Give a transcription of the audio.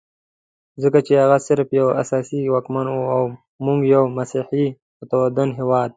ځکه چې هغه صرف یو اسیایي واکمن وو او موږ یو مسیحي متمدن هېواد.